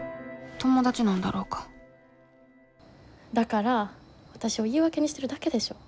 ともだちなんだろうかだからわたしを言い訳にしてるだけでしょ。